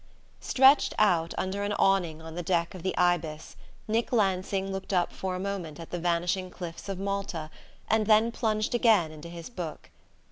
STRETCHED out under an awning on the deck of the Ibis, Nick Lansing looked up for a moment at the vanishing cliffs of Malta and then plunged again into his book.